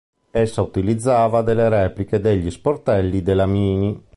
Essa utilizzava delle repliche degli sportelli della mini.